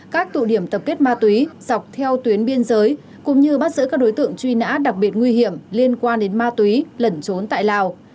các tụ điểm tập kết ma túy dọc theo tuyến biên giới cũng như bắt giữ các đối tượng truy nã đặc biệt nguy hiểm liên quan đến ma túy lẩn trốn tại lào